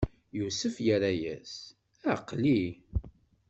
Yusef irra-yas: Aql-i!